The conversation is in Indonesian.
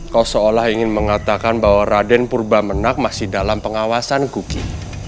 kau seolah ingin mengatakan bahwa raden purbamenak masih dalam pengawasan kuki